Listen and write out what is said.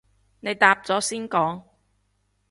你答咗先講